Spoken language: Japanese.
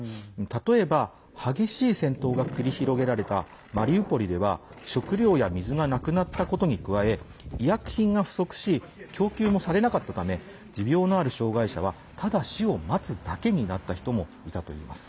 例えば、激しい戦闘が繰り広げられたマリウポリでは食料や水がなくなったことに加え医薬品が不足し供給もされなかったため持病のある障害者はただ死を待つだけになった人もいたといいます。